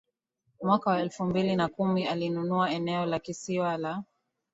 Mwaka wa elfu mbili na kumi alinunua eneo la kisiwa la